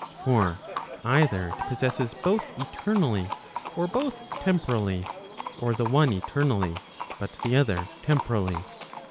For either it possesses both eternally, or both temporally; or the one eternally, but the other temporally.